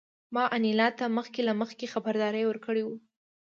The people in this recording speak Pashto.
ما انیلا ته مخکې له مخکې خبرداری ورکړی و